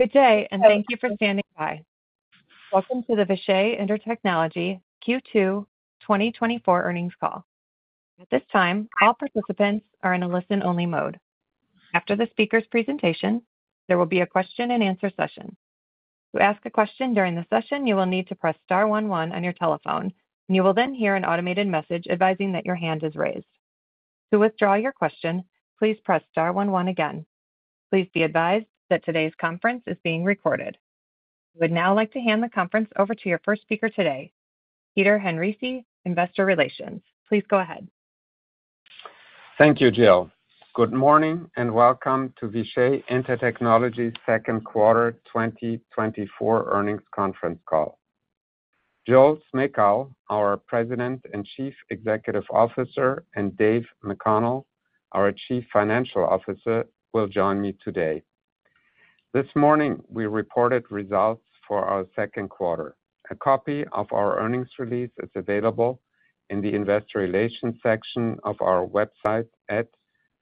Good day, and thank you for standing by. Welcome to the Vishay Intertechnology Q2 2024 Earnings Call. At this time, all participants are in a listen-only mode. After the speaker's presentation, there will be a Q&A session. To ask a question during the session, you will need to press star one on your telephone, and you will then hear an automated message advising that your hand is raised. To withdraw your question, please press star one again. Please be advised that today's conference is being recorded. I would now like to hand the conference over to your first speaker today, Peter Henrici, Investor Relations. Please go ahead. Thank you, Jill. Good morning, and welcome to Vishay Intertechnology's Q2 2024 earnings conference call. Joel Smejkal, our President and Chief Executive Officer, and David McConnell, our Chief Financial Officer, will join me today. This morning, we reported results for our Q2. A copy of our earnings release is available in the investor relations section of our website at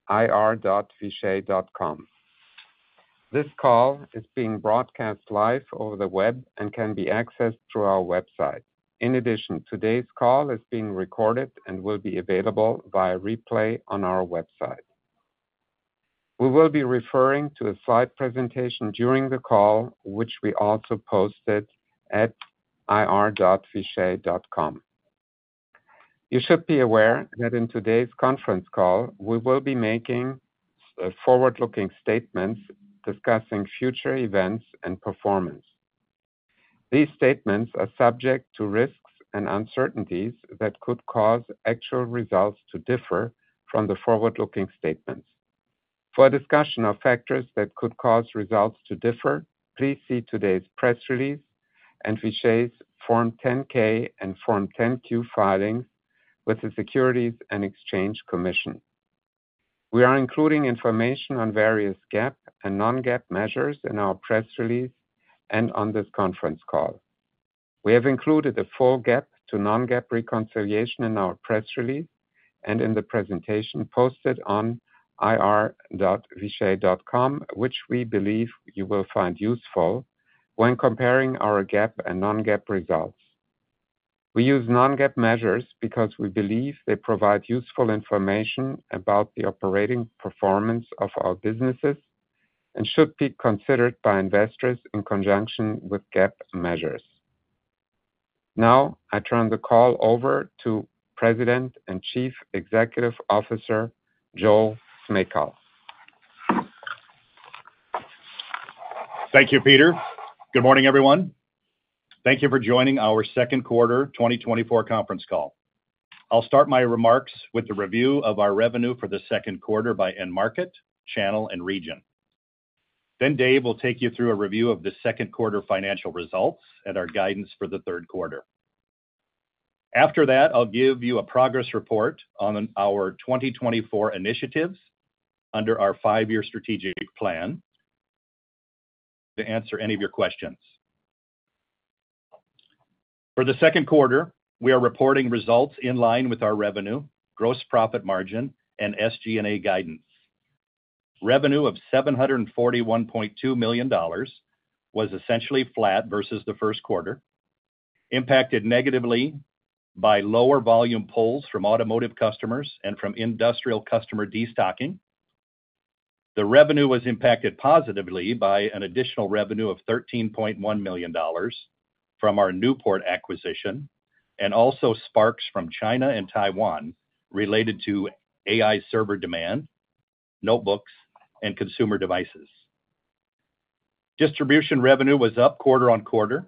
ir.vishay.com. This call is being broadcast live over the web and can be accessed through our website. In addition, today's call is being recorded and will be available via replay on our website. We will be referring to a slide presentation during the call, which we also posted at ir.vishay.com. You should be aware that in today's conference call, we will be making forward-looking statements discussing future events and performance. These statements are subject to risks and uncertainties that could cause actual results to differ from the forward-looking statements. For a discussion of factors that could cause results to differ, please see today's press release and Vishay's Form 10-K and Form 10-Q filings with the Securities and Exchange Commission. We are including information on various GAAP and non-GAAP measures in our press release and on this conference call. We have included a full GAAP to non-GAAP reconciliation in our press release and in the presentation posted on ir.vishay.com, which we believe you will find useful when comparing our GAAP and non-GAAP results. We use non-GAAP measures because we believe they provide useful information about the operating performance of our businesses and should be considered by investors in conjunction with GAAP measures. Now, I turn the call over to President and Chief Executive Officer, Joel Smejkal. Thank you, Peter Henrici. Good morning, everyone. Thank you for joining our Q2 2024 conference call. I'll start my remarks with a review of our revenue for the Q2 by end market, channel, and region. Then David McConnell will take you through a review of the Q2 financial results and our guidance for the Q3. After that, I'll give you a progress report on our 2024 initiatives under our five-year strategic plan to answer any of your questions. For the Q2, we are reporting results in line with our revenue, gross profit margin, and SG&A guidance. Revenue of $741.2 million was essentially flat versus the Q1, impacted negatively by lower volume pulls from automotive customers and from industrial customer destocking. The revenue was impacted positively by an additional revenue of $13.1 million from our Newport acquisition, and also spikes from China and Taiwan related to AI server demand, notebooks, and consumer devices. Distribution revenue was up quarter-over-quarter,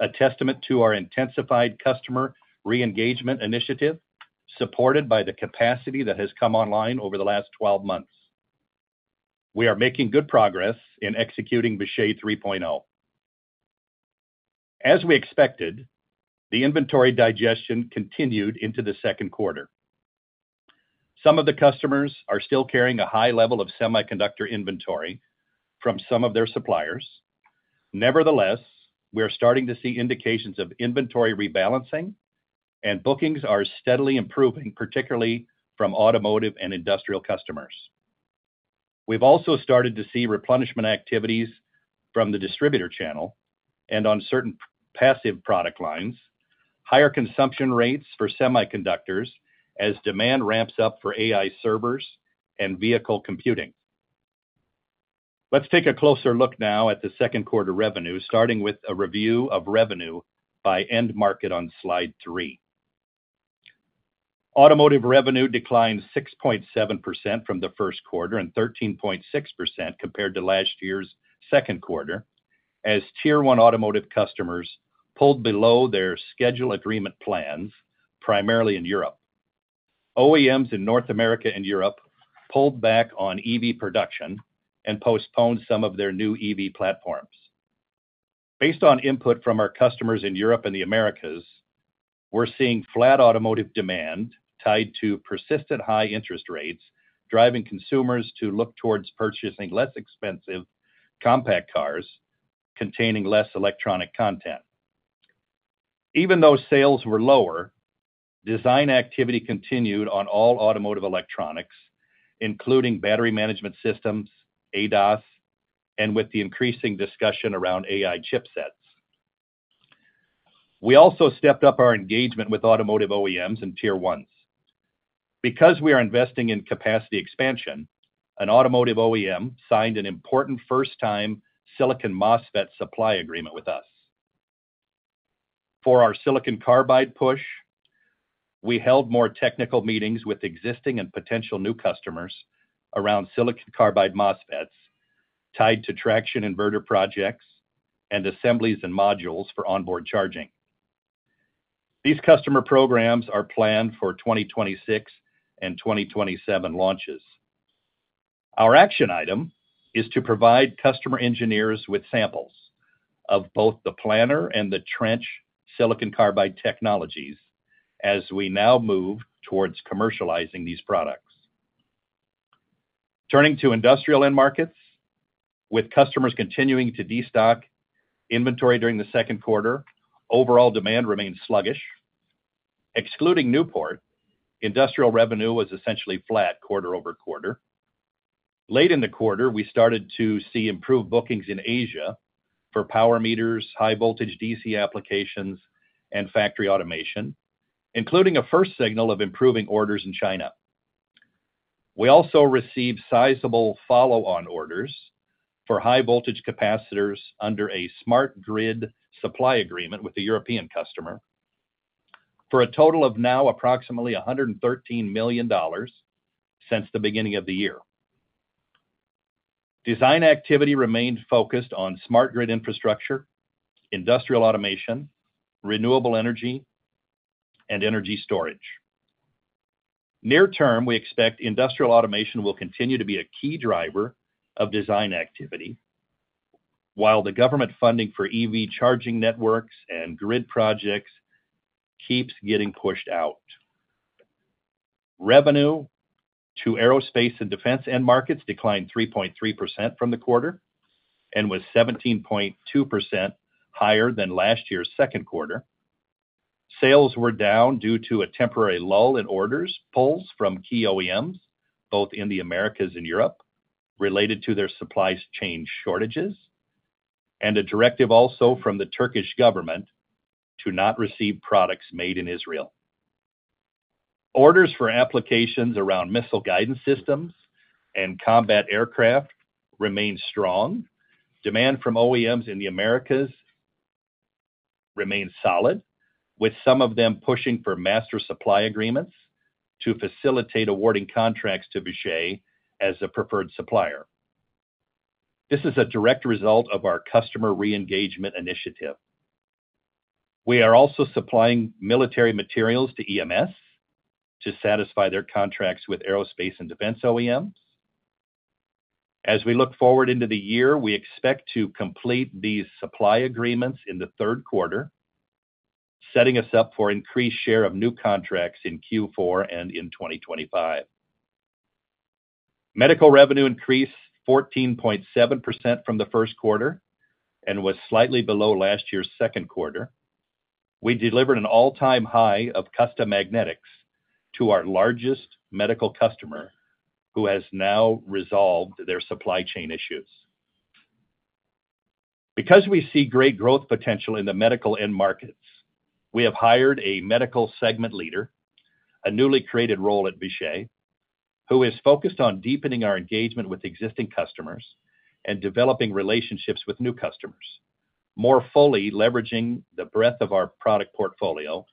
a testament to our intensified customer reengagement initiative, supported by the capacity that has come online over the last 12 months. We are making good progress in executing Vishay 3.0. As we expected, the inventory digestion continued into the Q2. Some of the customers are still carrying a high level of semiconductor inventory from some of their suppliers. Nevertheless, we are starting to see indications of inventory rebalancing, and bookings are steadily improving, particularly from automotive and industrial customers. We've also started to see replenishment activities from the distributor channel and on certain passive product lines, higher consumption rates for semiconductors as demand ramps up for AI servers and vehicle computing. Let's take a closer look now at the Q2 revenue, starting with a review of revenue by end market on slide three. Automotive revenue declined 6.7% from the Q1 and 13.6% compared to last year's Q2, as Tier 1 automotive customers pulled below their schedule agreement plans, primarily in Europe. OEMs in North America and Europe pulled back on EV production and postponed some of their new EV platforms. Based on input from our customers in Europe and the Americas, we're seeing flat automotive demand tied to persistent high interest rates, driving consumers to look towards purchasing less expensive compact cars containing less electronic content. Even though sales were lower, design activity continued on all automotive electronics, including battery management systems, ADAS, and with the increasing discussion around AI chipsets. We also stepped up our engagement with automotive OEMs and Tier 1s. Because we are investing in capacity expansion, an automotive OEM signed an important first-time silicon MOSFET supply agreement with us. For our silicon carbide push, we held more technical meetings with existing and potential new customers around silicon carbide MOSFETs, tied to traction inverter projects and assemblies and modules for onboard charging. These customer programs are planned for 2026 and 2027 launches. Our action item is to provide customer engineers with samples of both the planar and the trench silicon carbide technologies as we now move towards commercializing these products. Turning to industrial end markets. With customers continuing to destock inventory during the Q2, overall demand remained sluggish. Excluding Newport, industrial revenue was essentially flat quarter-over-quarter. Late in the quarter, we started to see improved bookings in Asia for power meters, high voltage DC applications, and factory automation, including a first signal of improving orders in China. We also received sizable follow-on orders for high voltage capacitors under a smart grid supply agreement with the European customer, for a total of now approximately $113 million since the beginning of the year. Design activity remained focused on smart grid infrastructure, industrial automation, renewable energy, and energy storage. Near term, we expect industrial automation will continue to be a key driver of design activity, while the government funding for EV charging networks and grid projects keeps getting pushed out. Revenue to aerospace and defense end markets declined 3.3% from the quarter, and was 17.2% higher than last year's Q2. Sales were down due to a temporary lull in orders, pulls from key OEMs, both in the Americas and Europe, related to their supply chain shortages, and a directive also from the Turkish government to not receive products made in Israel. Orders for applications around missile guidance systems and combat aircraft remain strong. Demand from OEMs in the Americas remains solid, with some of them pushing for master supply agreements to facilitate awarding contracts to Vishay as a preferred supplier. This is a direct result of our customer re-engagement initiative. We are also supplying military materials to EMS to satisfy their contracts with aerospace and defense OEMs. As we look forward into the year, we expect to complete these supply agreements in the Q3, setting us up for increased share of new contracts in Q4 and in 2025. Medical revenue increased 14.7% from the Q1 and was slightly below last year's Q2. We delivered an all-time high of custom magnetics to our largest medical customer, who has now resolved their supply chain issues. Because we see great growth potential in the medical end markets, we have hired a medical segment leader, a newly created role at Vishay, who is focused on deepening our engagement with existing customers and developing relationships with new customers, more fully leveraging the breadth of our product portfolio,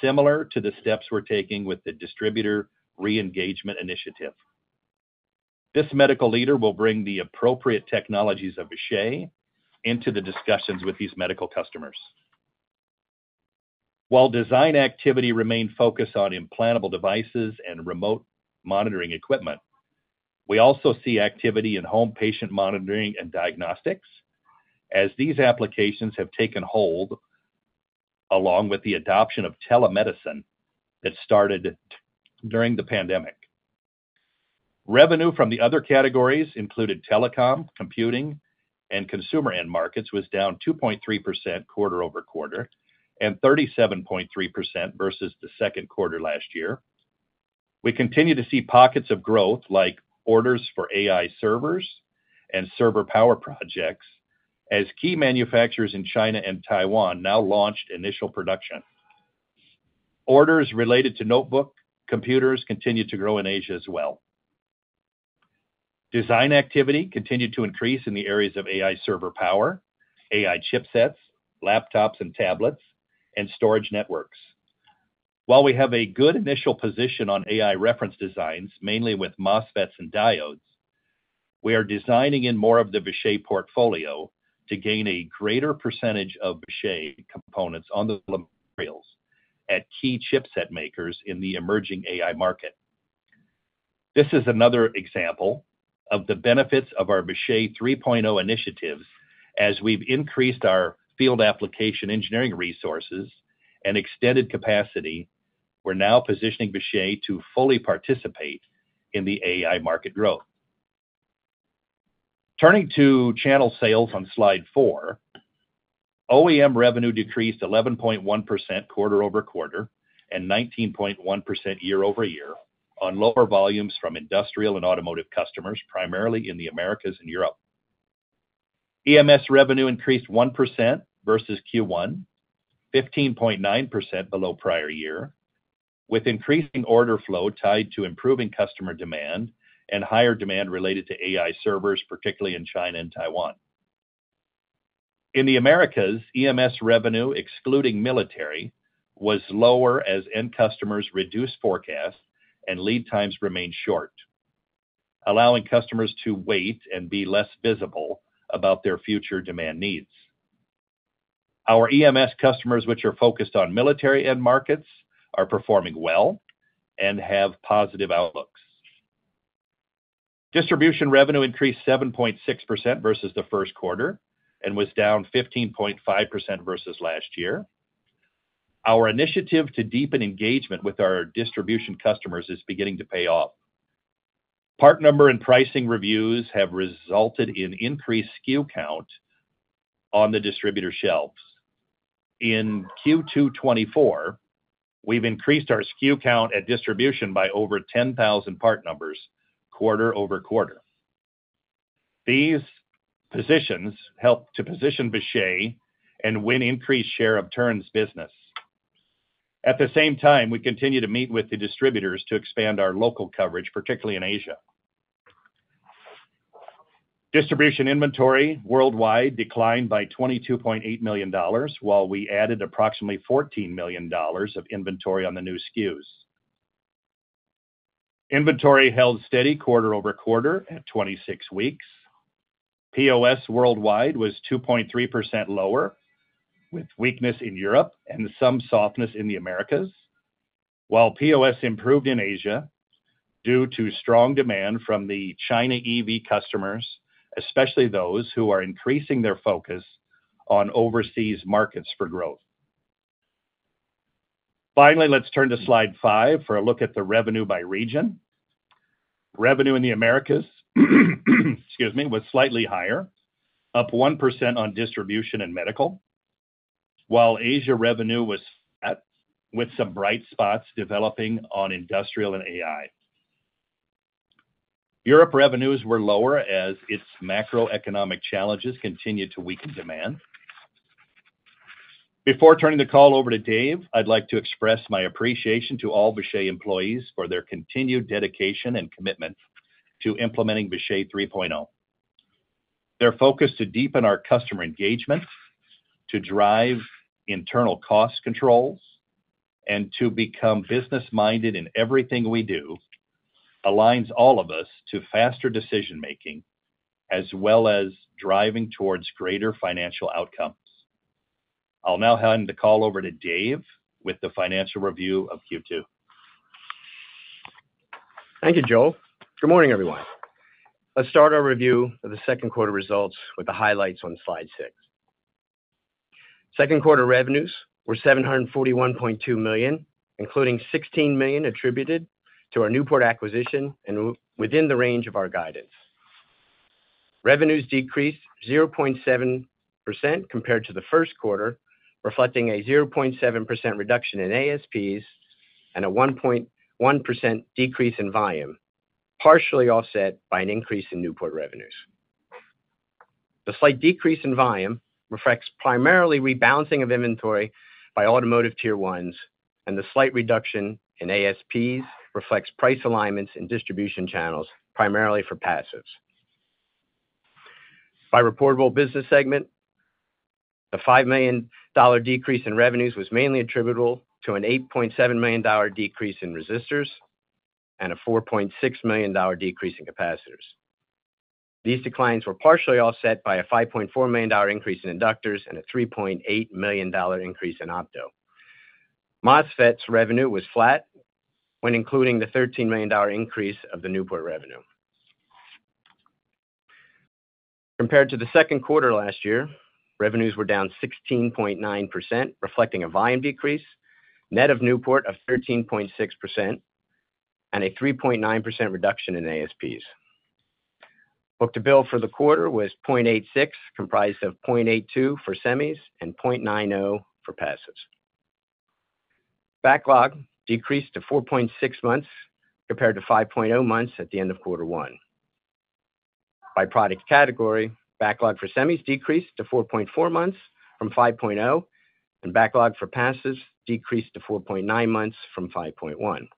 similar to the steps we're taking with the distributor re-engagement initiative. This medical leader will bring the appropriate technologies of Vishay into the discussions with these medical customers. While design activity remained focused on implantable devices and remote monitoring equipment, we also see activity in home patient monitoring and diagnostics, as these applications have taken hold, along with the adoption of telemedicine that started during the pandemic. Revenue from the other categories included telecom, computing, and consumer end markets, was down 2.3% quarter-over-quarter, and 37.3% versus the Q2 last year. We continue to see pockets of growth, like orders for AI servers and server power projects, as key manufacturers in China and Taiwan now launch initial production. Orders related to notebook computers continue to grow in Asia as well. Design activity continued to increase in the areas of AI server power, AI chipsets, laptops and tablets, and storage networks. While we have a good initial position on AI reference designs, mainly with MOSFETs and diodes, we are designing in more of the Vishay portfolio to gain a greater percentage of Vishay components on the materials at key chipset makers in the emerging AI market. This is another example of the benefits of our Vishay 3.0 initiatives. As we've increased our field application engineering resources and extended capacity, we're now positioning Vishay to fully participate in the AI market growth. Turning to channel sales on slide 4, OEM revenue decreased 11.1% quarter-over-quarter, and 19.1% year-over-year, on lower volumes from industrial and automotive customers, primarily in the Americas and Europe. EMS revenue increased 1% versus Q1, 15.9% below prior year, with increasing order flow tied to improving customer demand and higher demand related to AI servers, particularly in China and Taiwan. In the Americas, EMS revenue, excluding military, was lower as end customers reduced forecasts and lead times remained short, allowing customers to wait and be less visible about their future demand needs. Our EMS customers, which are focused on military end markets, are performing well and have positive outlooks. Distribution revenue increased 7.6% versus the Q1 and was down 15.5% versus last year. Our initiative to deepen engagement with our distribution customers is beginning to pay off. Part number and pricing reviews have resulted in increased SKU count on the distributor shelves. In Q2 2024, we've increased our SKU count at distribution by over 10,000 part numbers, quarter-over-quarter. These positions help to position Vishay and win increased share of turns business. At the same time, we continue to meet with the distributors to expand our local coverage, particularly in Asia. Distribution inventory worldwide declined by $22.8 million, while we added approximately $14 million of inventory on the new SKUs. Inventory held steady quarter-over-quarter at 26 weeks. POS worldwide was 2.3% lower, with weakness in Europe and some softness in the Americas, while POS improved in Asia due to strong demand from the China EV customers, especially those who are increasing their focus on overseas markets for growth. Finally, let's turn to slidefive for a look at the revenue by region. Revenue in the Americas, excuse me, was slightly higher, up 1% on distribution and medical, while Asia revenue was flat, with some bright spots developing on industrial and AI. Europe revenues were lower as its macroeconomic challenges continued to weaken demand. Before turning the call over to David McConnell, I'd like to express my appreciation to all Vishay employees for their continued dedication and commitment to implementing Vishay 3.0. Their focus to deepen our customer engagement, to drive internal cost controls, and to become business-minded in everything we do, aligns all of us to faster decision-making, as well as driving towards greater financial outcomes. I'll now hand the call over to David McConnell with the financial review of Q2. Thank you, Joel Smejkal. Good morning, everyone. Let's start our review of the Q2 results with the highlights on slide six. Q2 revenues were $741.2 million, including $16 million attributed to our Newport acquisition and within the range of our guidance. Revenues decreased 0.7% compared to the Q1, reflecting a 0.7% reduction in ASPs and a 1.1% decrease in volume, partially offset by an increase in Newport revenues. The slight decrease in volume reflects primarily rebalancing of inventory by automotive Tier 1s, and the slight reduction in ASPs reflects price alignments and distribution channels, primarily for passives. By reportable business segment, the $5 million decrease in revenues was mainly attributable to an $8.7 million decrease in resistors and a $4.6 million decrease in capacitors. These declines were partially offset by a $5.4 million increase in inductors and a $3.8 million increase in opto. MOSFET's revenue was flat when including the $13 million increase of the Newport revenue. Compared to the Q2 last year, revenues were down 16.9%, reflecting a volume decrease, net of Newport of 13.6%, and a 3.9% reduction in ASPs. Book-to-bill for the quarter was 0.86, comprised of 0.82 for semis and 0.90 for passives. Backlog decreased to 4.6 months, compared to 5.0 months at the end of quarter one. By product category, backlog for semis decreased to 4.4 months from 5.0, and backlog for passives decreased to 4.9 months from 5.1.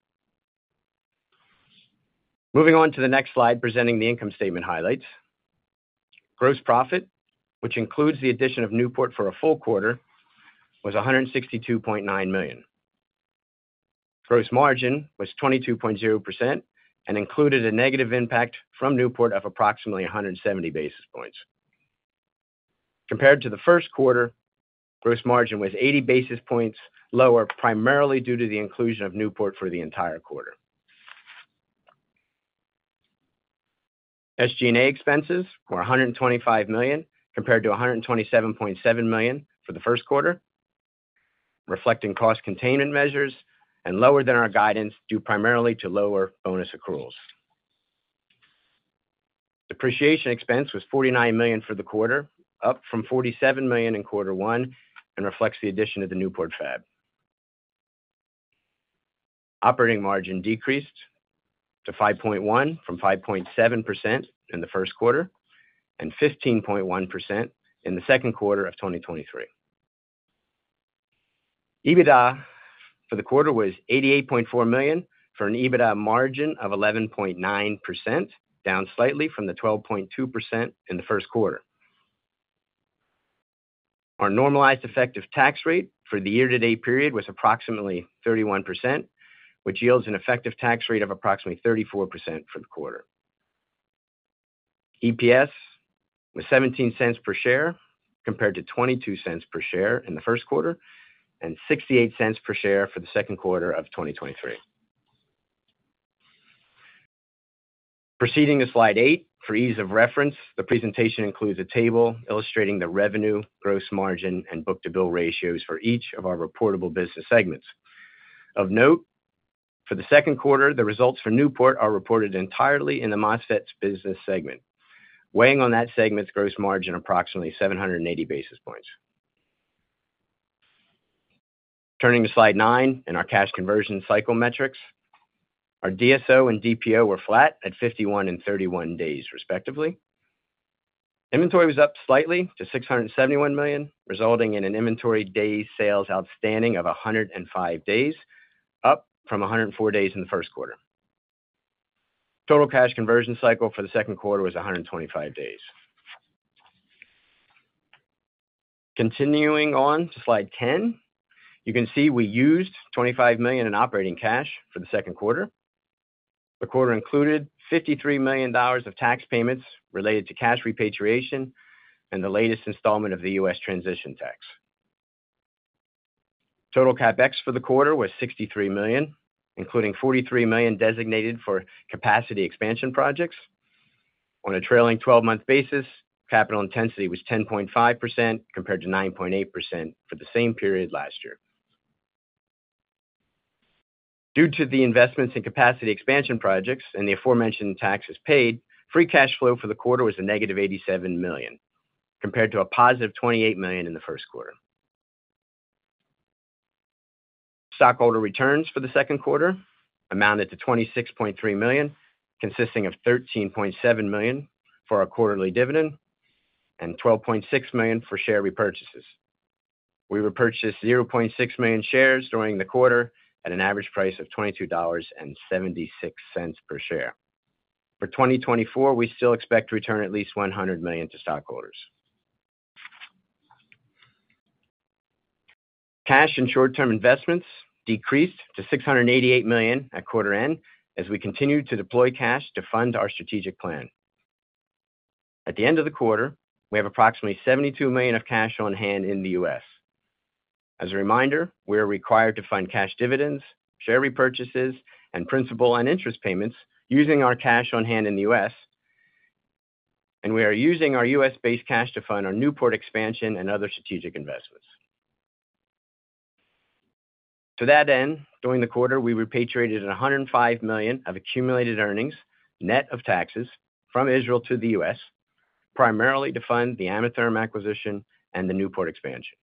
Moving on to the next slide, presenting the income statement highlights. Gross profit, which includes the addition of Newport for a full quarter, was $162.9 million. Gross margin was 22.0% and included a negative impact from Newport of approximately 170 basis points. Compared to the Q1, gross margin was 80 basis points lower, primarily due to the inclusion of Newport for the entire quarter. SG&A expenses were $125 million, compared to $127.7 million for the Q1, reflecting cost containment measures and lower than our guidance, due primarily to lower bonus accruals. Depreciation expense was $49 million for the quarter, up from $47 million in quarter one, and reflects the addition of the Newport Fab. Operating margin decreased to 5.1% from 5.7% in the Q1, and 15.1% in the Q2 of 2023. EBITDA for the quarter was $88.4 million, for an EBITDA margin of 11.9%, down slightly from the 12.2% in the Q1. Our normalized effective tax rate for the year-to-date period was approximately 31%, which yields an effective tax rate of approximately 34% for the quarter. EPS was $0.17 per share, compared to $0.22 per share in the Q1, and $0.68 per share for the Q2 of 2023. Proceeding to slide eight, for ease of reference, the presentation includes a table illustrating the revenue, gross margin, and book-to-bill ratios for each of our reportable business segments. Of note, for the Q2, the results for Newport are reported entirely in the MOSFETs business segment, weighing on that segment's gross margin approximately 780 basis points. Turning to slide nine, in our cash conversion cycle metrics, our DSO and DPO were flat at 51 and 31 days, respectively. Inventory was up slightly to $671 million, resulting in an inventory day sales outstanding of 105 days, up from 104 days in the Q1. Total cash conversion cycle for the Q2 was 125 days. Continuing on to slide 10, you can see we used $25 million in operating cash for the Q2. The quarter included $53 million of tax payments related to cash repatriation and the latest installment of the U.S. transition tax. Total CapEx for the quarter was $63 million, including $43 million designated for capacity expansion projects. On a trailing 12-month basis, capital intensity was 10.5%, compared to 9.8% for the same period last year. Due to the investments in capacity expansion projects and the aforementioned taxes paid, free cash flow for the quarter was -$87 million, compared to +$28 million in the Q1. Stockholder returns for the Q2 amounted to $26.3 million, consisting of $13.7 million for our quarterly dividend and $12.6 million for share repurchases. We repurchased 0.6 million shares during the quarter at an average price of $22.76 per share. For 2024, we still expect to return at least $100 million to stockholders. Cash and short-term investments decreased to $688 million at quarter end as we continued to deploy cash to fund our strategic plan. At the end of the quarter, we have approximately $72 million of cash on hand in the U.S. As a reminder, we are required to fund cash dividends, share repurchases, and principal and interest payments using our cash on hand in the U.S., and we are using our U.S.-based cash to fund our Newport expansion and other strategic investments. To that end, during the quarter, we repatriated $105 million of accumulated earnings, net of taxes, from Israel to the U.S., primarily to fund the Ametherm acquisition and the Newport expansion.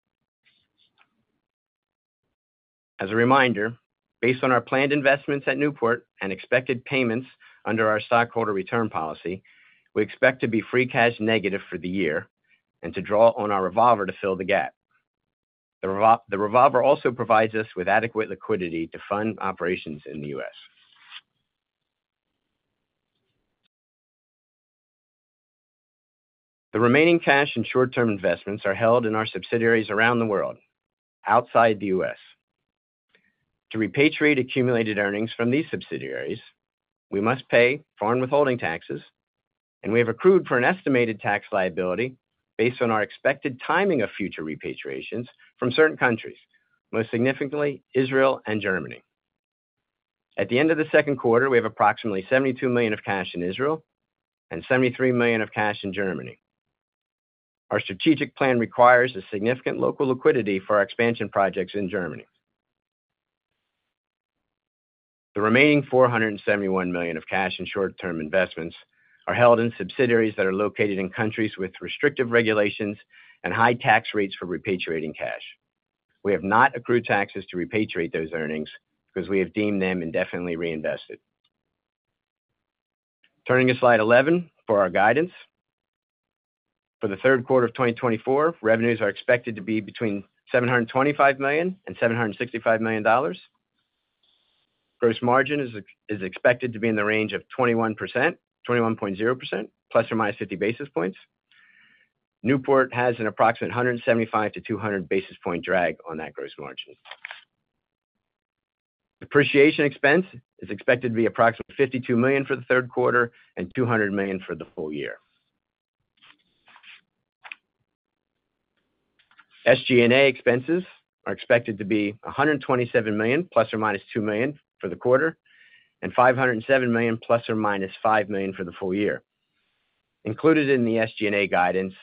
As a reminder, based on our planned investments at Newport and expected payments under our stockholder return policy, we expect to be free cash negative for the year and to draw on our revolver to fill the gap. The revolver also provides us with adequate liquidity to fund operations in the U.S. The remaining cash and short-term investments are held in our subsidiaries around the world, outside the U.S. To repatriate accumulated earnings from these subsidiaries, we must pay foreign withholding taxes, and we have accrued for an estimated tax liability based on our expected timing of future repatriations from certain countries, most significantly Israel and Germany. At the end of the Q2, we have approximately $72 million of cash in Israel and $73 million of cash in Germany. Our strategic plan requires a significant local liquidity for our expansion projects in Germany. The remaining $471 million of cash and short-term investments are held in subsidiaries that are located in countries with restrictive regulations and high tax rates for repatriating cash. We have not accrued taxes to repatriate those earnings because we have deemed them indefinitely reinvested. Turning to slide 11 for our guidance. For the Q3 of 2024, revenues are expected to be between $725 million and $765 million. Gross margin is expected to be in the range of 21%-21.0%, ±50 basis points. Newport has an approximate 175 basis point-200 basis point drag on that gross margin. Depreciation expense is expected to be approximately $52 million for the Q3 and $200 million for the full year. SG&A expenses are expected to be $127 million ±$2 million for the quarter, and $507 million ±$5 million for the full year. Included in the SG&A guidance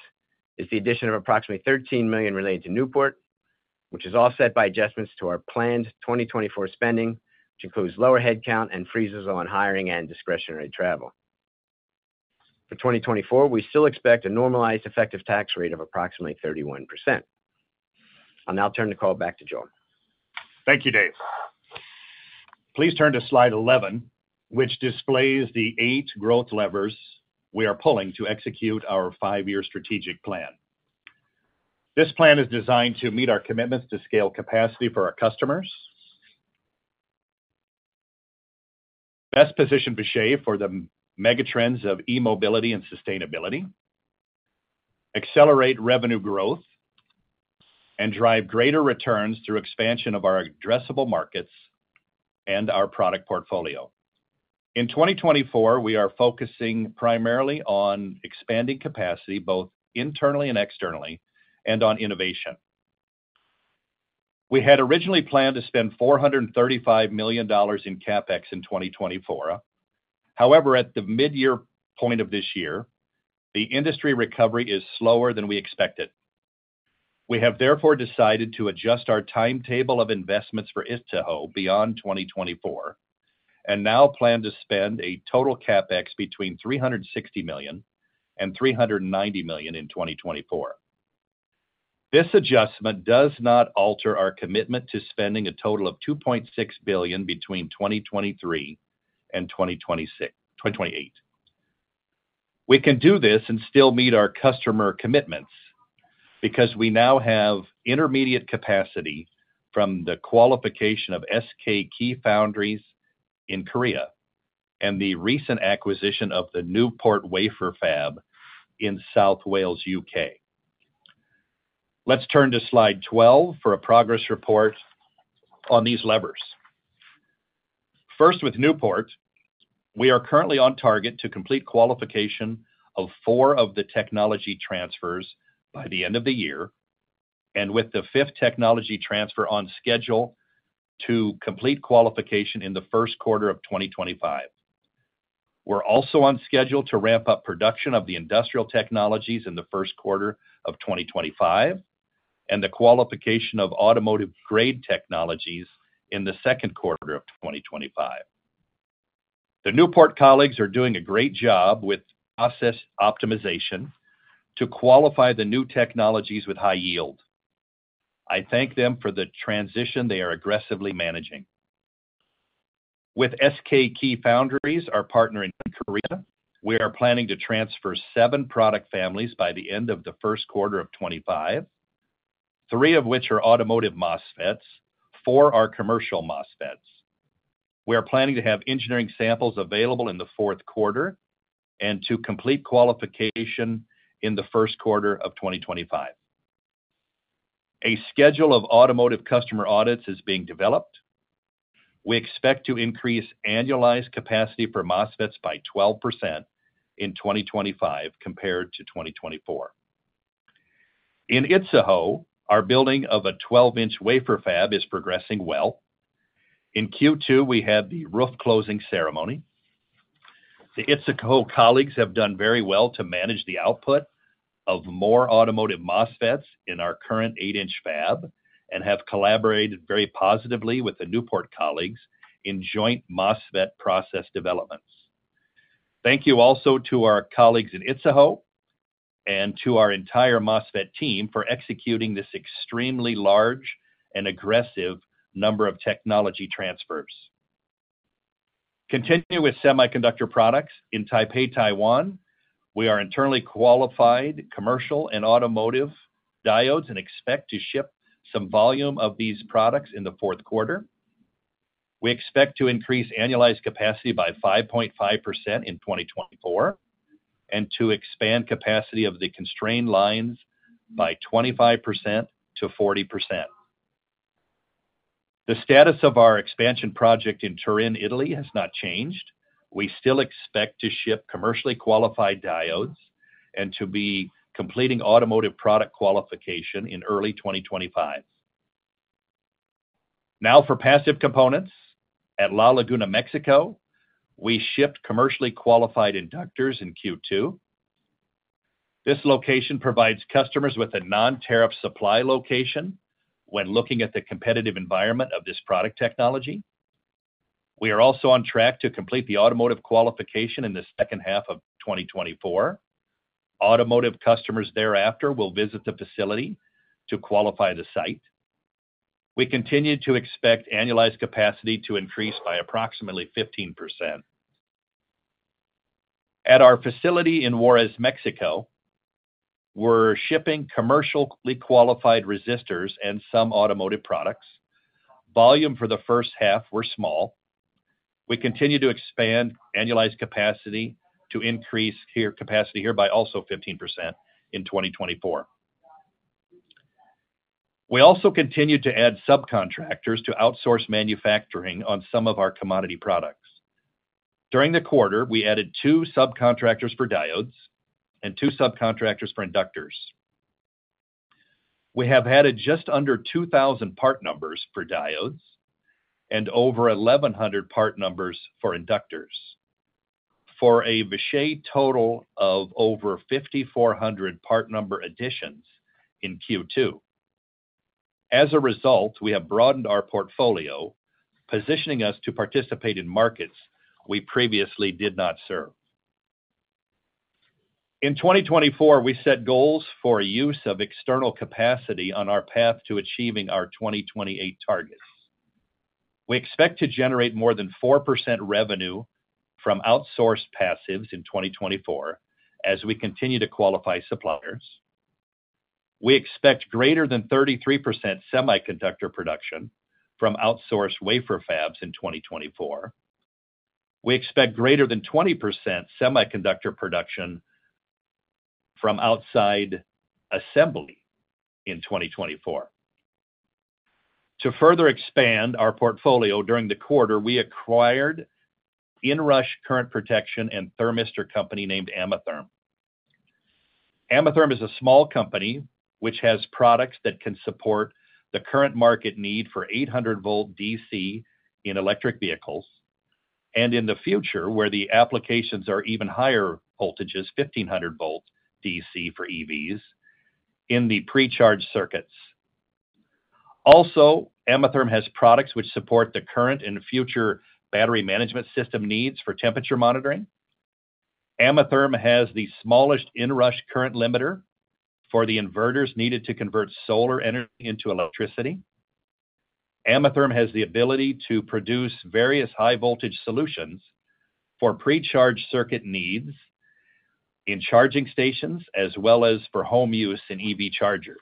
is the addition of approximately $13 million related to Newport, which is offset by adjustments to our planned 2024 spending, which includes lower headcount and freezes on hiring and discretionary travel. For 2024, we still expect a normalized effective tax rate of approximately 31%. I'll now turn the call back to Joel Smejkal. Thank you, David McConnell. Please turn to slide 11, which displays the eight growth levers we are pulling to execute our five-year strategic plan. This plan is designed to meet our commitments to scale capacity for our customers, best positioned to shape for the megatrends of e-mobility and sustainability, accelerate revenue growth, and drive greater returns through expansion of our addressable markets and our product portfolio. In 2024, we are focusing primarily on expanding capacity, both internally and externally, and on innovation. We had originally planned to spend $435 million in CapEx in 2024. However, at the midyear point of this year, the industry recovery is slower than we expected. We have therefore decided to adjust our timetable of investments for Idaho beyond 2024, and now plan to spend a total CapEx between $360 million and $390 million in 2024. This adjustment does not alter our commitment to spending a total of $2.6 billion between 2023 and 2028. We can do this and still meet our customer commitments, because we now have intermediate capacity from the qualification of SK Keyfoundry in Korea and the recent acquisition of the Newport Wafer Fab in South Wales, U.K. Let's turn to slide 12 for a progress report on these levers. First, with Newport, we are currently on target to complete qualification of four of the technology transfers by the end of the year, and with the fifth technology transfer on schedule to complete qualification in the Q1 of 2025. We're also on schedule to ramp-up production of the industrial technologies in the Q1 of 2025, and the qualification of automotive-grade technologies in the Q2 of 2025. The Newport colleagues are doing a great job with process optimization to qualify the new technologies with high yield. I thank them for the transition they are aggressively managing. With SK Keyfoundry, our partner in Korea, we are planning to transfer seven product families by the end of the Q1 of 2025, three of which are automotive MOSFETs, four are commercial MOSFETs. We are planning to have engineering samples available in the Q4 and to complete qualification in the Q1 of 2025. A schedule of automotive customer audits is being developed. We expect to increase annualized capacity for MOSFETs by 12% in 2025 compared to 2024. In Idaho, our building of a 12-inch wafer fab is progressing well. In Q2, we had the roof closing ceremony. The Idaho colleagues have done very well to manage the output of more automotive MOSFETs in our current 8 in fab and have collaborated very positively with the Newport colleagues in joint MOSFET process developments. Thank you also to our colleagues in Idaho and to our entire MOSFET team for executing this extremely large and aggressive number of technology transfers. Continuing with semiconductor products in Taipei, Taiwan, we are internally qualified commercial and automotive diodes, and expect to ship some volume of these products in the Q4. We expect to increase annualized capacity by 5.5% in 2024, and to expand capacity of the constrained lines by 25%-40%. The status of our expansion project in Turin, Italy, has not changed. We still expect to ship commercially qualified diodes and to be completing automotive product qualification in early 2025. Now, for passive components. At La Laguna, Mexico, we shipped commercially qualified inductors in Q2. This location provides customers with a non-tariff supply location when looking at the competitive environment of this product technology. We are also on track to complete the automotive qualification in the second-half of 2024. Automotive customers thereafter will visit the facility to qualify the site. We continue to expect annualized capacity to increase by approximately 15%. At our facility in Juarez, Mexico, we're shipping commercially qualified resistors and some automotive products. Volume for the first half were small. We continue to expand annualized capacity here by also 15% in 2024. We also continued to add subcontractors to outsource manufacturing on some of our commodity products. During the quarter, we added two subcontractors for diodes and two subcontractors for inductors. We have added just under 2,000 part numbers for diodes and over 1,100 part numbers for inductors, for a Vishay total of over 5,400 part number additions in Q2. As a result, we have broadened our portfolio, positioning us to participate in markets we previously did not serve. In 2024, we set goals for use of external capacity on our path to achieving our 2028 targets. We expect to generate more than 4% revenue from outsourced passives in 2024, as we continue to qualify suppliers. We expect greater than 33% semiconductor production from outsourced wafer fabs in 2024. We expect greater than 20% semiconductor production from outside assembly in 2024. To further expand our portfolio, during the quarter, we acquired inrush current protection and thermistor company named Ametherm. Ametherm is a small company, which has products that can support the current market need for 800-volt DC in electric vehicles, and in the future, where the applications are even higher voltages, 1,500-volt DC for EVs, in the pre-charge circuits. Also, Ametherm has products which support the current and future battery management system needs for temperature monitoring. Ametherm has the smallest inrush current limiter for the inverters needed to convert solar energy into electricity. Ametherm has the ability to produce various high voltage solutions for pre-charge circuit needs in charging stations, as well as for home use in EV chargers.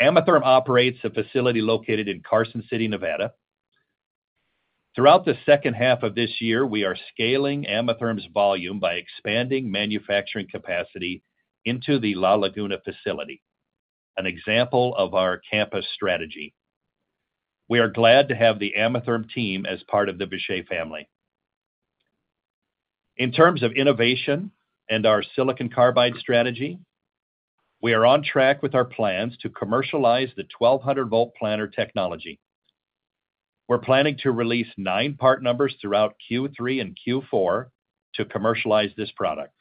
Ametherm operates a facility located in Carson City, Nevada. Throughout the second half of this year, we are scaling Ametherm's volume by expanding manufacturing capacity into the La Laguna facility, an example of our campus strategy. We are glad to have the Ametherm team as part of the Vishay family. In terms of innovation and our silicon carbide strategy, we are on track with our plans to commercialize the 1,200-volt planar technology. We're planning to release nine part numbers throughout Q3 and Q4 to commercialize this product.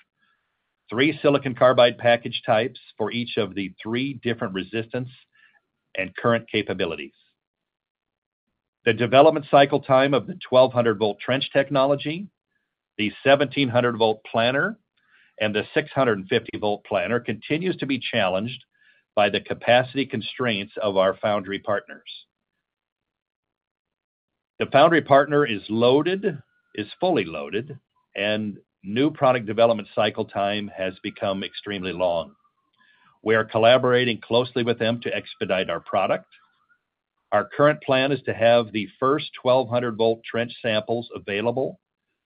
Three silicon carbide package types for each of the three different resistance and current capabilities. The development cycle time of the 1,200 V trench technology, the 1,700 V planar, and the 650 V planar continues to be challenged by the capacity constraints of our foundry partners. The foundry partner is fully loaded, and new product development cycle time has become extremely long. We are collaborating closely with them to expedite our product. Our current plan is to have the first 1200 V trench samples available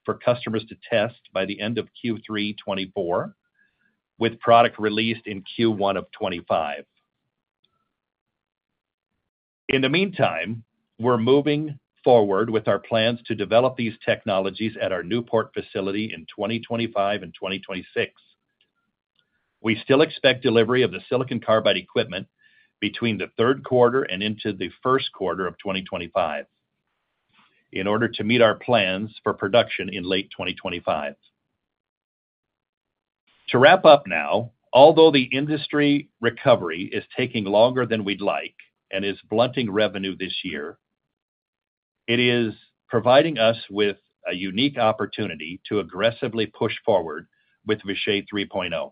for customers to test by the end of Q3 2024, with product released in Q1 of 2025. In the meantime, we're moving forward with our plans to develop these technologies at our Newport facility in 2025 and 2026. We still expect delivery of the silicon carbide equipment between the Q3 and into the Q1 of 2025 in order to meet our plans for production in late 2025. To wrap up now, although the industry recovery is taking longer than we'd like and is blunting revenue this year, it is providing us with a unique opportunity to aggressively push forward with Vishay 3.0.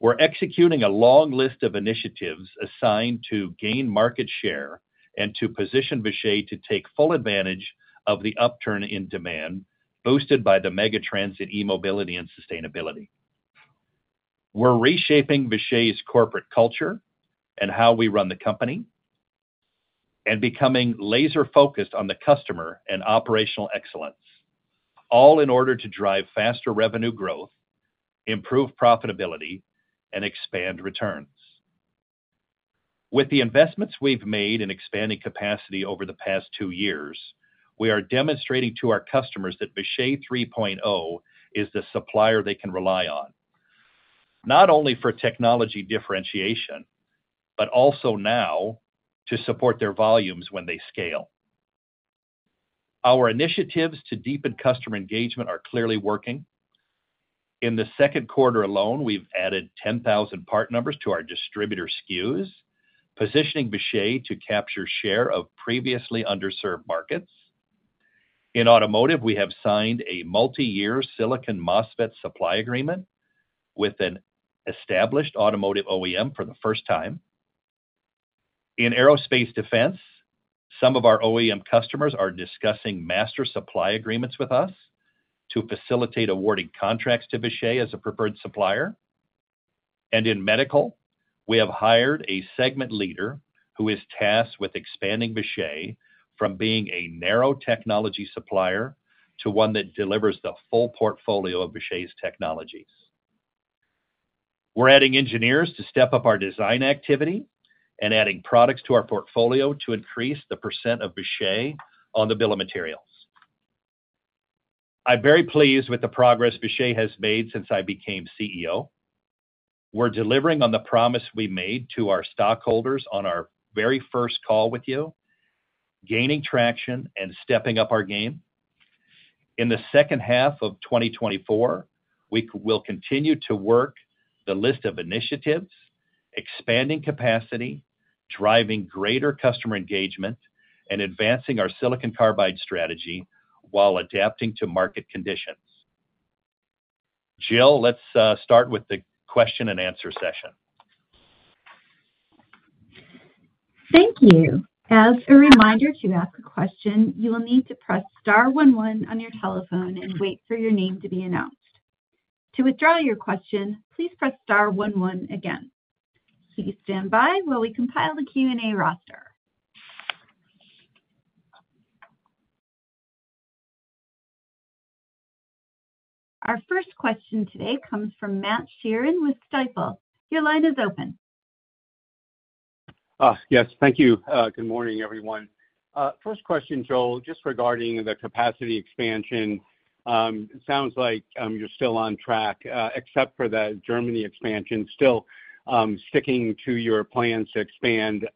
We're executing a long list of initiatives assigned to gain market share and to position Vishay to take full advantage of the upturn in demand, boosted by the mega trends in e-mobility and sustainability. We're reshaping Vishay's corporate culture and how we run the company, and becoming laser focused on the customer and operational excellence, all in order to drive faster revenue growth, improve profitability, and expand returns. With the investments we've made in expanding capacity over the past two years, we are demonstrating to our customers that Vishay 3.0 is the supplier they can rely on, not only for technology differentiation, but also now to support their volumes when they scale. Our initiatives to deepen customer engagement are clearly working. In the Q2 alone, we've added 10,000 part numbers to our distributor SKUs, positioning Vishay to capture share of previously underserved markets. In automotive, we have signed a multiyear silicon MOSFET supply agreement with an established automotive OEM for the first time. In aerospace defense, some of our OEM customers are discussing master supply agreements with us to facilitate awarding contracts to Vishay as a preferred supplier. In medical, we have hired a segment leader who is tasked with expanding Vishay from being a narrow technology supplier to one that delivers the full portfolio of Vishay's technologies. We're adding engineers to step up our design activity and adding products to our portfolio to increase the percent of Vishay on the bill of materials.... I'm very pleased with the progress Vishay has made since I became CEO. We're delivering on the promise we made to our stockholders on our very first call with you, gaining traction and stepping up our game. In the second-half of 2024, we will continue to work the list of initiatives, expanding capacity, driving greater customer engagement, and advancing our silicon carbide strategy while adapting to market conditions. Jill, let's start with the Q&A session. Thank you. As a reminder, to ask a question, you will need to press star one one on your telephone and wait for your name to be announced. To withdraw your question, please press star one one again. Please stand by while we compile the Q&A roster. Our first question today comes from Matthew Sheerin with Stifel. Your line is open. Yes, thank you. Good morning, everyone. First question, Joel Smejkal, just regarding the capacity expansion. It sounds like you're still on track, except for the Germany expansion, still sticking to your plans to expand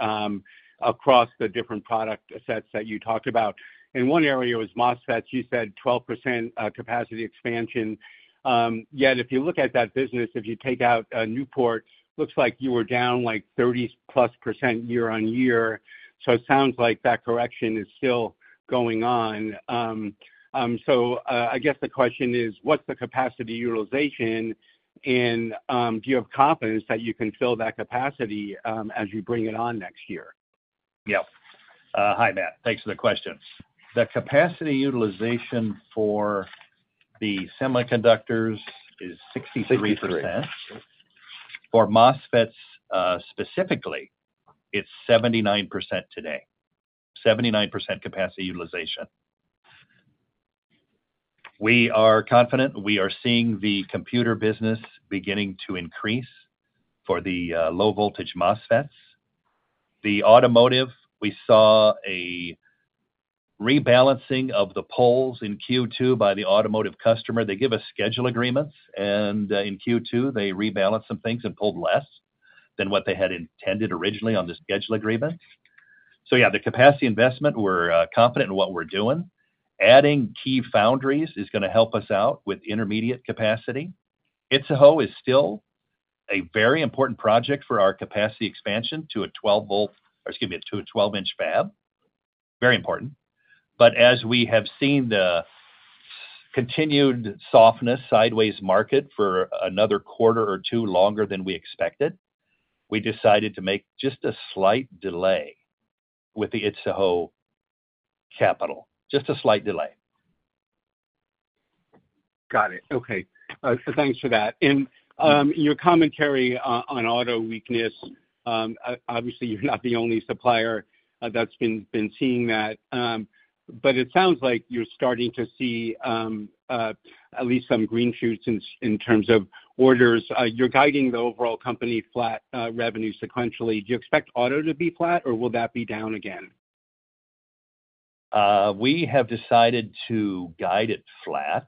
across the different product sets that you talked about. In one area was MOSFETs, you said 12% capacity expansion. Yet, if you look at that business, if you take out Newport, looks like you were down, like, 30+% year-on-year. So it sounds like that correction is still going on. So, I guess the question is: What's the capacity utilization, and do you have confidence that you can fill that capacity as you bring it on next year? Yeah. Hi, Matthew Sheerin. Thanks for the questions. The capacity utilization for the semiconductors is 63%. For MOSFETs, specifically, it's 79% today. 79% capacity utilization. We are confident. We are seeing the computer business beginning to increase for the low-voltage MOSFETs. The automotive, we saw a rebalancing of the pulls in Q2 by the automotive customer. They give us schedule agreements, and in Q2, they rebalanced some things and pulled less than what they had intended originally on the schedule agreement. So yeah, the capacity investment, we're confident in what we're doing. Adding key foundries is gonna help us out with intermediate capacity. Idaho is still a very important project for our capacity expansion to a 12 V, or excuse me, to a 12 in fab. Very important. As we have seen the continued softness, sideways market for another quarter or two longer than we expected, we decided to make just a slight delay with the Idaho capital. Just a slight delay. Got it. Okay. So thanks for that. Your commentary on auto weakness, obviously, you're not the only supplier that's been seeing that, but it sounds like you're starting to see at least some green shoots in terms of orders. You're guiding the overall company flat revenue sequentially. Do you expect auto to be flat, or will that be down again? We have decided to guide it flat,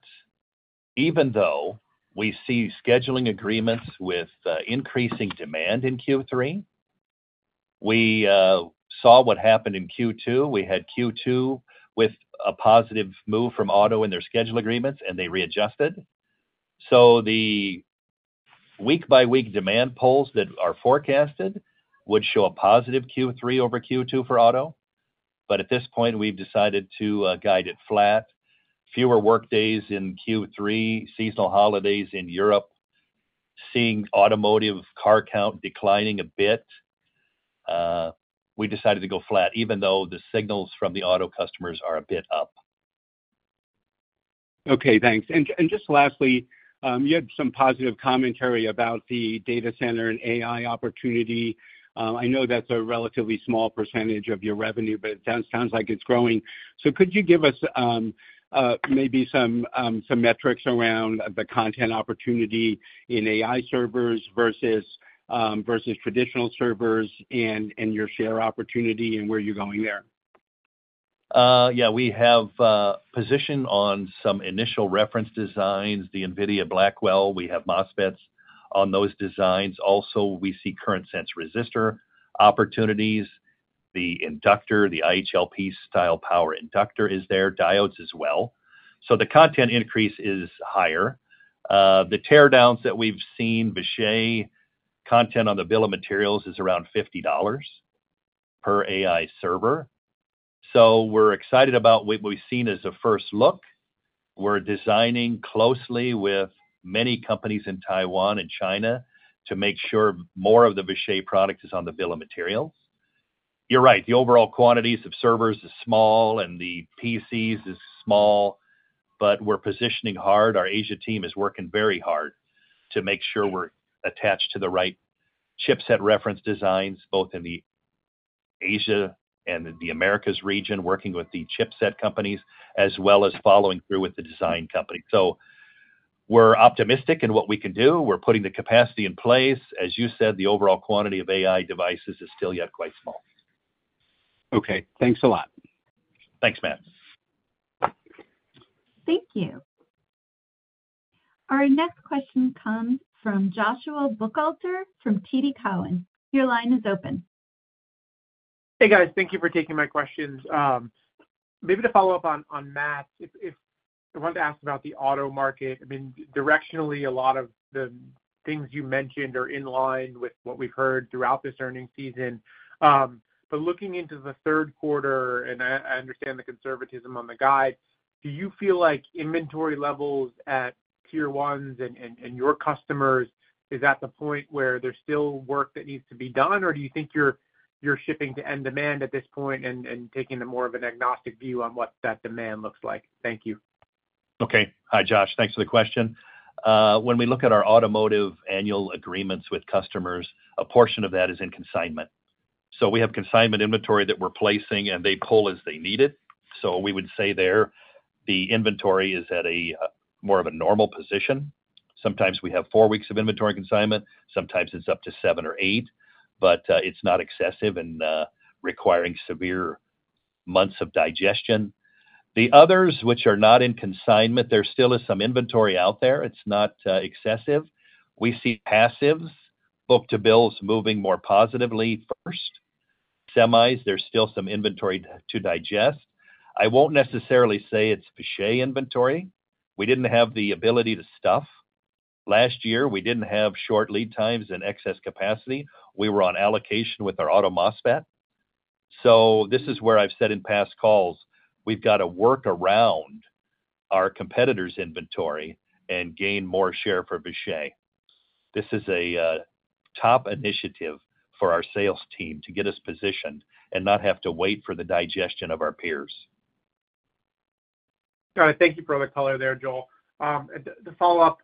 even though we see scheduling agreements with increasing demand in Q3. We saw what happened in Q2. We had Q2 with a positive move from auto in their schedule agreements, and they readjusted. So the week-by-week demand polls that are forecasted would show a positive Q3 over Q2 for auto, but at this point, we've decided to guide it flat. Fewer work days in Q3, seasonal holidays in Europe, seeing automotive car count declining a bit, we decided to go flat, even though the signals from the auto customers are a bit up. Okay, thanks. And just lastly, you had some positive commentary about the data center and AI opportunity. I know that's a relatively small percentage of your revenue, but it sounds like it's growing. So could you give us maybe some metrics around the content opportunity in AI servers versus traditional servers and your share opportunity and where you're going there? Yeah, we have positioned on some initial reference designs, the NVIDIA Blackwell. We have MOSFETs on those designs. Also, we see current sense resistor opportunities. The inductor, the IHLP-style power inductor is there, diodes as well. So the content increase is higher. The teardowns that we've seen, Vishay content on the bill of materials is around $50 per AI server. So we're excited about what we've seen as a first look. We're designing closely with many companies in Taiwan and China to make sure more of the Vishay product is on the bill of materials. You're right, the overall quantities of servers is small and the PCs is small, but we're positioning hard. Our Asia team is working very hard to make sure we're attached to the right chipset reference designs, both in the Asia and the Americas region, working with the chipset companies, as well as following through with the design company. So we're optimistic in what we can do. We're putting the capacity in place. As you said, the overall quantity of AI devices is still yet quite small.... Okay, thanks a lot. Thanks, Matthew Sheerin. Thank you. Our next question comes from Joshua Buchalter from TD Cowen. Your line is open. Hey, guys. Thank you for taking my questions. Maybe to follow up on Matthew Sheerin, if I wanted to ask about the auto market. I mean, directionally, a lot of the things you mentioned are in line with what we've heard throughout this earnings season. But looking into the Q3, and I understand the conservatism on the guide, do you feel like inventory levels at Tier 1s and your customers is at the point where there's still work that needs to be done? Or do you think you're shipping to end demand at this point and taking a more of an agnostic view on what that demand looks like? Thank you. Okay. Hi, Joshua Buchalter. Thanks for the question. When we look at our automotive annual agreements with customers, a portion of that is in consignment. So we have consignment inventory that we're placing, and they pull as they need it. So we would say there, the inventory is at a more of a normal position. Sometimes we have four weeks of inventory consignment, sometimes it's up to seven or eight, but it's not excessive and requiring severe months of digestion. The others, which are not in consignment, there still is some inventory out there. It's not excessive. We see passives, book-to-bill moving more positively first. Semis, there's still some inventory to digest. I won't necessarily say it's Vishay inventory. We didn't have the ability to stuff. Last year, we didn't have short lead times and excess capacity. We were on allocation with our auto MOSFET. So this is where I've said in past calls, we've got to work around our competitors' inventory and gain more share for Vishay. This is a top initiative for our sales team to get us positioned and not have to wait for the digestion of our peers. All right, thank you for all the color there, Joel Smejkal. And the follow-up,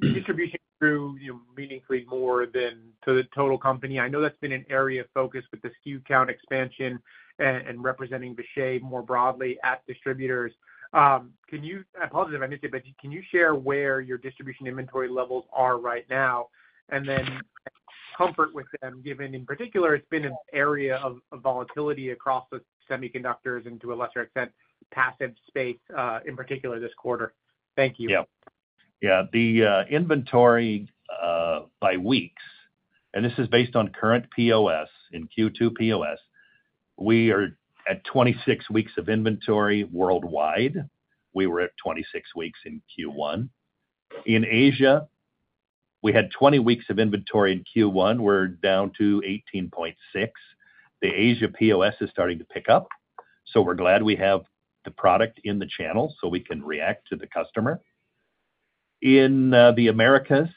distribution grew, you know, meaningfully more than to the total company. I know that's been an area of focus with the SKU count expansion and representing Vishay more broadly at distributors. Can you—I apologize if I missed it, but can you share where your distribution inventory levels are right now? And then comfort with them, given in particular, it's been an area of volatility across the semiconductors and to a lesser extent, passive space, in particular this quarter. Thank you. Yeah. Yeah, the inventory by weeks, and this is based on current POS, in Q2 POS, we are at 26 weeks of inventory worldwide. We were at 26 weeks in Q1. In Asia, we had 20 weeks of inventory in Q1. We're down to 18.6 weeks. The Asia POS is starting to pick up, so we're glad we have the product in the channel, so we can react to the customer. In the Americas,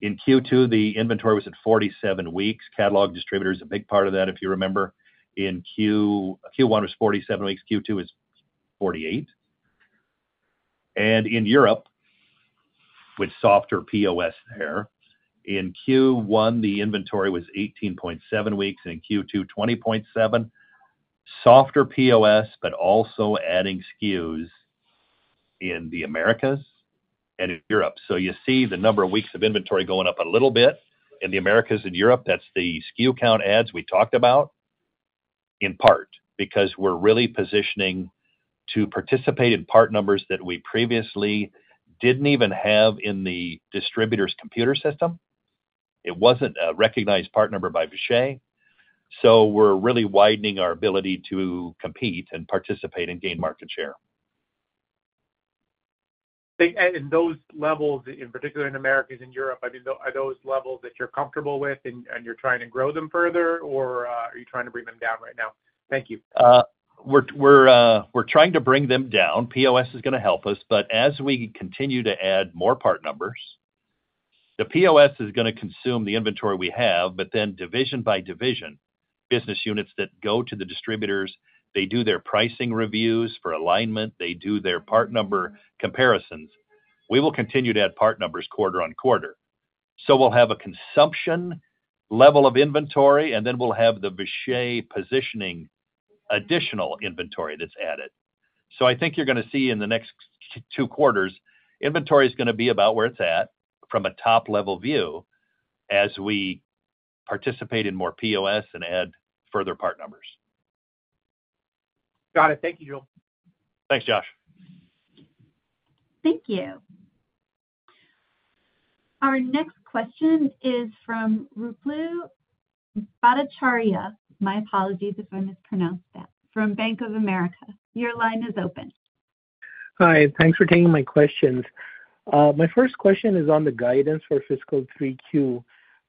in Q2, the inventory was at 47 weeks. Catalog distributor is a big part of that, if you remember, in Q1 was 47 weeks, Q2 is 48 weeks. And in Europe, with softer POS there, in Q1, the inventory was 18.7 weeks, in Q2, 20.7. Softer POS, but also adding SKUs in the Americas and in Europe. So you see the number of weeks of inventory going up a little bit in the Americas and Europe. That's the SKU count adds we talked about, in part, because we're really positioning to participate in part numbers that we previously didn't even have in the distributor's computer system. It wasn't a recognized part number by Vishay, so we're really widening our ability to compete and participate and gain market share. Those levels, in particular in Americas and Europe, I mean, are those levels that you're comfortable with and you're trying to grow them further, or are you trying to bring them down right now? Thank you. We're trying to bring them down. POS is gonna help us, but as we continue to add more part numbers, the POS is gonna consume the inventory we have, but then division by division, business units that go to the distributors, they do their pricing reviews for alignment, they do their part number comparisons. We will continue to add part numbers quarter-on-quarter. So we'll have a consumption level of inventory, and then we'll have the Vishay positioning additional inventory that's added. So I think you're gonna see in the next two quarters, inventory is gonna be about where it's at, from a top level view, as we participate in more POS and add further part numbers. Got it. Thank you, Joel Smejkal. Thanks, Joshua Buchalter. Thank you. Our next question is from Ruplu Bhattacharya, my apologies if I mispronounced that, from Bank of America. Your line is open. Hi, thanks for taking my questions. My first question is on the guidance for fiscal 3Q.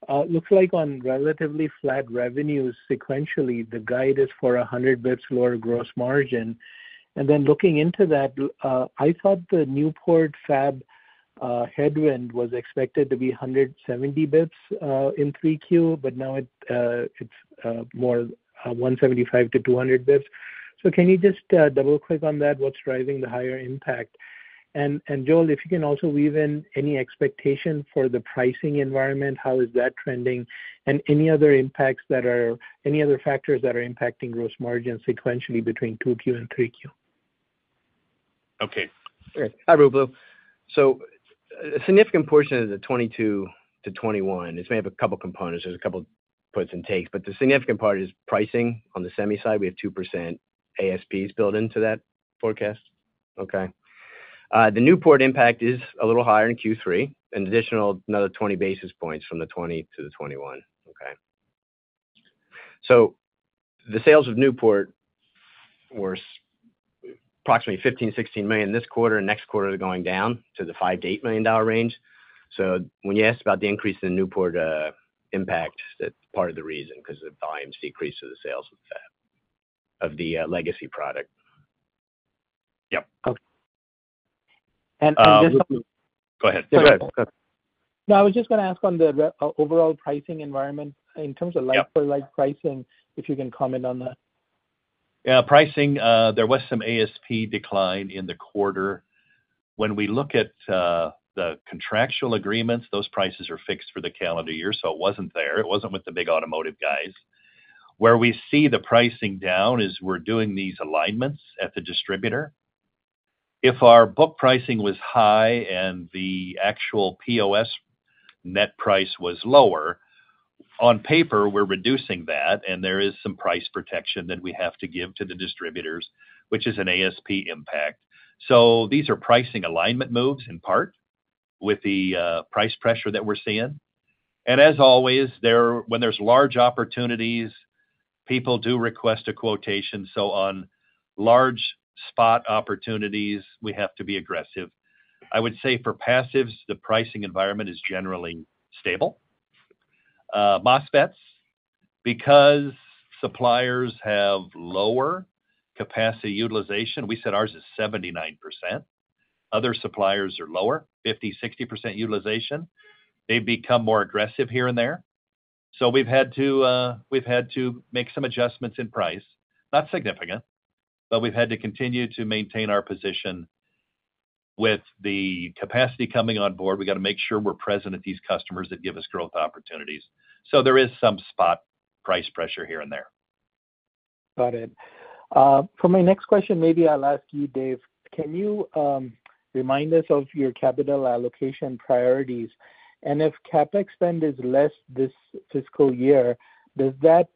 It looks like on relatively flat revenues sequentially, the guide is for 100 basis points lower gross margin. And then looking into that, I thought the Newport fab headwind was expected to be 170 basis points in 3Q, but now it's more 175 basis points-200 basis points. So can you just double-click on that? What's driving the higher impact? And, and Joel Smejkal, if you can also weave in any expectation for the pricing environment, how is that trending? And any other impacts that are any other factors that are impacting gross margin sequentially between 2Q and 3Q?... Okay. Great. Hi, Ruplu Bhattacharya. So a significant portion of the 22 %-21%, it's made up of a couple components. There's a couple puts and takes, but the significant part is pricing. On the semi side, we have 2% ASPs built into that forecast. Okay? The Newport impact is a little higher in Q3, an additional another 20 basis points from the 20 basis points- 21 basis points. Okay? So the sales of Newport were approximately $15-$16 million this quarter, and next quarter, they're going down to the $5-$8 million range. So when you asked about the increase in Newport impact, that's part of the reason, 'cause the volumes decrease to the sales of that, of the legacy product. Yep. Okay. And, just- Go ahead. No, I was just gonna ask on the overall pricing environment in terms of- Yep... like-for-like pricing, if you can comment on that. Yeah, pricing, there was some ASP decline in the quarter. When we look at, the contractual agreements, those prices are fixed for the calendar year, so it wasn't there. It wasn't with the big automotive guys. Where we see the pricing down is we're doing these alignments at the distributor. If our book pricing was high and the actual POS net price was lower, on paper, we're reducing that, and there is some price protection that we have to give to the distributors, which is an ASP impact. So these are pricing alignment moves in part with the, price pressure that we're seeing. And as always, there, when there's large opportunities, people do request a quotation, so on large spot opportunities, we have to be aggressive. I would say for passives, the pricing environment is generally stable. MOSFETs, because suppliers have lower capacity utilization, we said ours is 79%. Other suppliers are lower, 50%, 60% utilization. They've become more aggressive here and there. So we've had to, we've had to make some adjustments in price. Not significant, but we've had to continue to maintain our position. With the capacity coming on board, we've got to make sure we're present at these customers that give us growth opportunities. So there is some spot price pressure here and there. Got it. For my next question, maybe I'll ask you, David McConnell. Can you remind us of your capital allocation priorities? And if CapEx spend is less this fiscal year, does that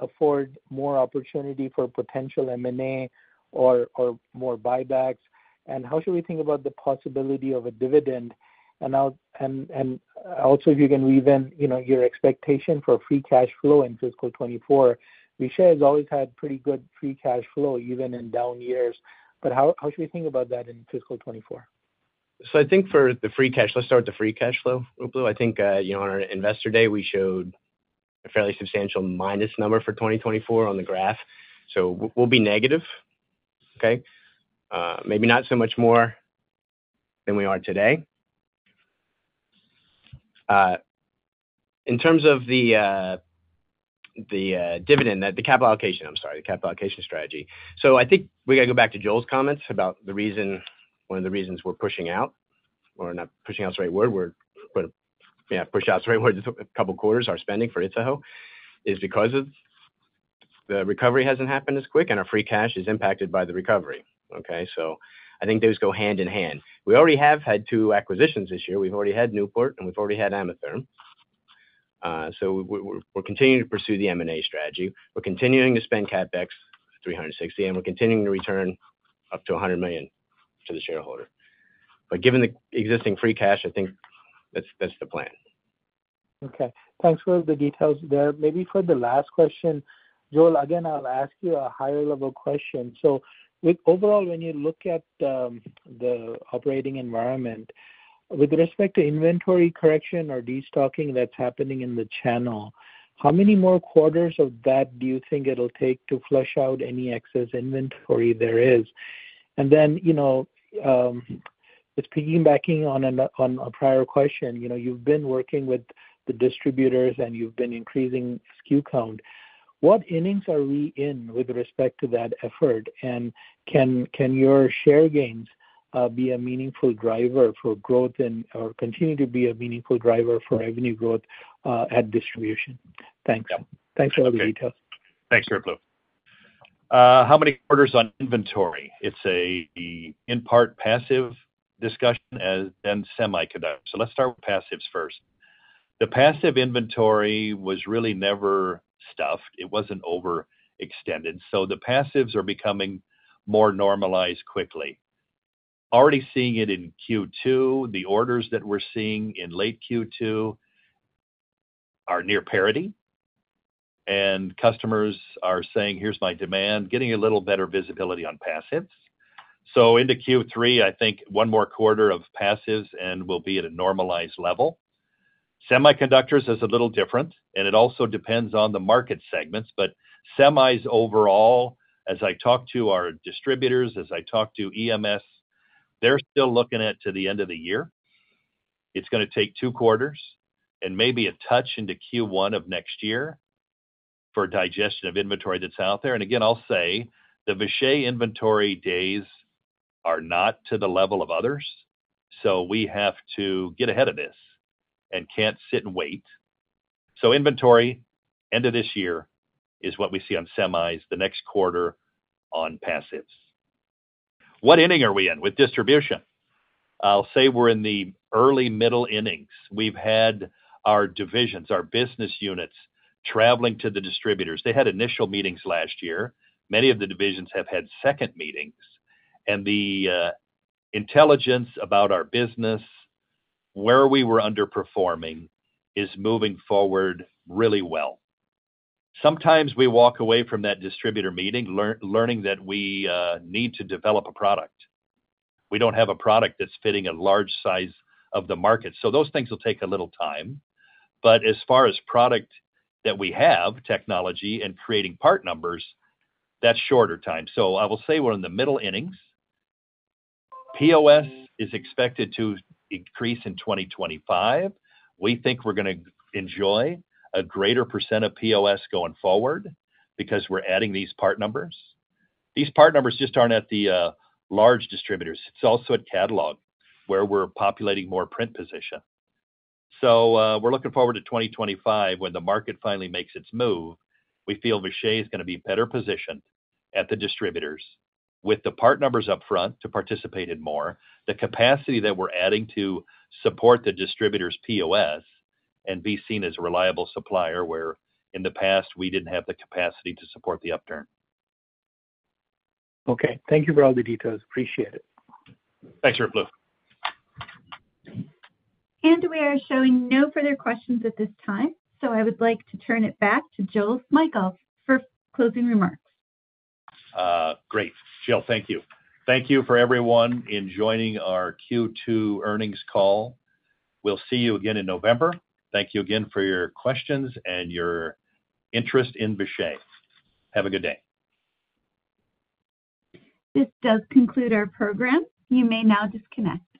afford more opportunity for potential M&A or more buybacks? And how should we think about the possibility of a dividend? And also, if you can weave in, you know, your expectation for free cash flow in fiscal 2024. Vishay has always had pretty good free cash flow, even in down years, but how should we think about that in fiscal 2024? So I think for the free cash... Let's start with the free cash flow, Ruplu Bhattacharya. I think, you know, on our Investor Day, we showed a fairly substantial minus number for 2024 on the graph, so we'll be negative. Okay? Maybe not so much more than we are today. In terms of the dividend, the capital allocation strategy. So I think we gotta go back to Joel Smejkal's comments about the reason, one of the reasons we're pushing out, or not pushing out's the right word, we're kind of, yeah, push out's the right word, just a couple of quarters of spending for the CapEx, is because of the recovery hasn't happened as quick, and our free cash is impacted by the recovery, okay? So I think those go hand in hand. We already have had two acquisitions this year. We've already had Newport, and we've already had Ametherm. So we're continuing to pursue the M&A strategy. We're continuing to spend CapEx $360 million, and we're continuing to return up to $100 million to the shareholder. But given the existing free cash, I think that's the plan. Okay. Thanks for the details there. Maybe for the last question, Joel Smejkal, again, I'll ask you a higher-level question. So with overall, when you look at the operating environment, with respect to inventory correction or destocking that's happening in the channel, how many more quarters of that do you think it'll take to flush out any excess inventory there is? And then, you know, just piggybacking on a prior question, you know, you've been working with the distributors, and you've been increasing SKU count. What innings are we in with respect to that effort? And can your share gains be a meaningful driver for growth and or continue to be a meaningful driver for revenue growth at distribution? Thanks. Thanks for all the details. Thanks, Ruplu Bhattacharya. How many quarters on inventory? It's in part a passive discussion as than semiconductor. So let's start with passives first. The passive inventory was really never stuffed. It wasn't overextended, so the passives are becoming more normalized quickly. Already seeing it in Q2, the orders that we're seeing in late Q2 are near parity, and customers are saying: Here's my demand, getting a little better visibility on passives. So into Q3, I think one more quarter of passives, and we'll be at a normalized level. Semiconductors is a little different, and it also depends on the market segments. But semis overall, as I talk to our distributors, as I talk to EMS, they're still looking at to the end of the year. It's gonna take two quarters and maybe a touch into Q1 of next year for digestion of inventory that's out there. Again, I'll say, the Vishay inventory days are not to the level of others, so we have to get ahead of this and can't sit and wait. So inventory, end of this year, is what we see on semis, the next quarter on passives. What inning are we in with distribution? I'll say we're in the early middle innings. We've had our divisions, our business units, traveling to the distributors. They had initial meetings last year. Many of the divisions have had second meetings, and the intelligence about our business, where we were underperforming, is moving forward really well. Sometimes we walk away from that distributor meeting, learning that we need to develop a product. We don't have a product that's fitting a large size of the market. So those things will take a little time. But as far as product that we have, technology and creating part numbers, that's shorter time. So I will say we're in the middle innings. POS is expected to increase in 2025. We think we're gonna enjoy a greater percent of POS going forward because we're adding these part numbers. These part numbers just aren't at the large distributors. It's also at catalog, where we're populating more print position. So we're looking forward to 2025, when the market finally makes its move. We feel Vishay is gonna be better positioned at the distributors, with the part numbers up front to participate in more, the capacity that we're adding to support the distributors' POS, and be seen as a reliable supplier, where in the past, we didn't have the capacity to support the upturn. Okay. Thank you for all the details. Appreciate it. Thanks, Ruplu Bhattacharya. We are showing no further questions at this time, so I would like to turn it back to Joel Smejkal for closing remarks. Great. Jill thank you. Thank you for everyone in joining our Q2 earnings call. We'll see you again in November. Thank you again for your questions and your interest in Vishay. Have a good day. This does conclude our program. You may now disconnect.